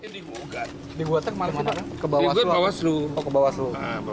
dibuat ke bawaslu